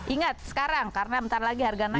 ingat sekarang karena bentar lagi harga